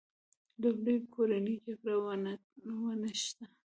لومړی کورنۍ جګړه ونښته.